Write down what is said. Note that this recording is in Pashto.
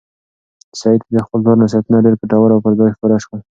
سعید ته د خپل پلار نصیحتونه ډېر ګټور او پر ځای ښکاره شول.